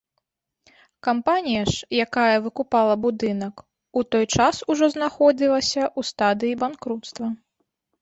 Кампанія ж, якая выкупала будынак, у той час ужо знаходзілася ў стадыі банкруцтва.